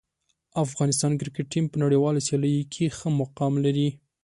افغانستان کرکټ ټیم په نړیوالو سیالیو کې ښه مقام لري.